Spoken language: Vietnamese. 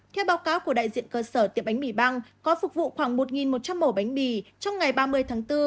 theo báo cáo của đại diện cơ sở tiệm bánh mì băng có phục vụ khoảng một một trăm linh mẫu bánh mì trong ngày ba mươi tháng bốn